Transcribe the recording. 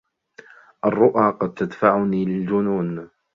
الرؤى قد تدفعني للجنون.